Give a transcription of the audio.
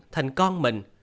thành con mình